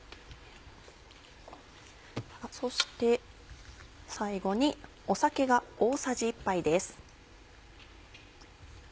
そして最後に酒が大さじ１杯です。